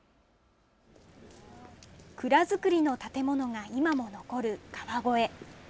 蔵造りの建物が今も残る川越。